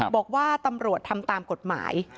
บอกว่าตำรวจทำตามกฎหมาย